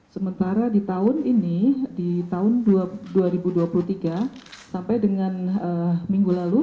sementara di tahun ini di tahun dua ribu dua puluh tiga sampai dengan minggu lalu